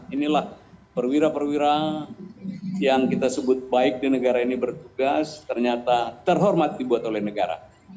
inilah perwira perwira yang kita sebut baik di negara ini bertugas ternyata terhormat dibuat oleh negara